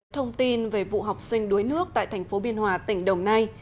thông tin về vụ học sinh đuối nước tại thành phố biên hòa tỉnh đồng nai